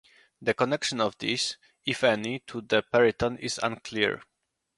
The connection of this, if any, to the peryton is unclear.